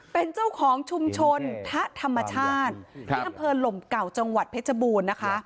เป็นเจ้าของชุมชนทะธรรมชาติที่อำเภอหลมเก่าจังหวัดเพชรบูรณ์นะคะ